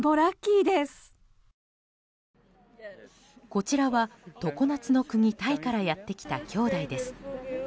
こちらは常夏の国タイからやってきた姉弟です。